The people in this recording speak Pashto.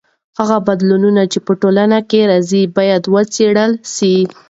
هغه بدلونونه چې په ټولنه کې راځي باید وڅېړل سي.